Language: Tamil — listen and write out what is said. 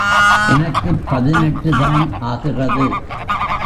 எனக்குப் பதினெட்டுதான் ஆகிறது.